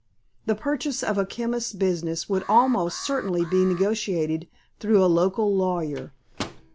The purchase of a chemist's business would almost certainly be negotiated through a local lawyer.